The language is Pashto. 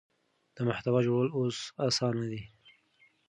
د محتوا جوړول اوس اسانه دي.